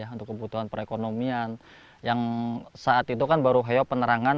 untuk kebutuhan perekonomian yang saat itu kan baru heok penerangan